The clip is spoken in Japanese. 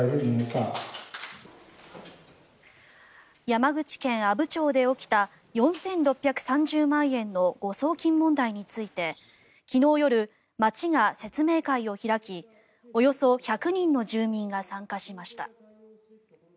山口県阿武町で起きた４６３０万円の誤送金問題について昨日夜、町が説明会を開きおよそ１００人の住民が参加しました。